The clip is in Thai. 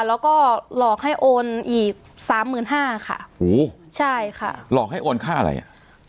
แล้วก็หลอกให้โอนอีกสามหมื่นห้าค่ะหูใช่ค่ะหลอกให้โอนค่าอะไรอ่ะ